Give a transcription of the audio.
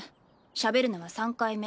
しゃべるのは３回目。